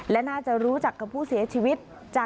และน่ากลัวจะรู้จักผู้เสียชีวิต